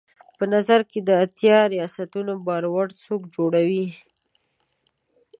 په نړۍ کې د اتیا ریاستونو بارود څوک جوړوي.